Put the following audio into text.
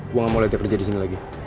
gua gak mau liat dia kerja di sini lagi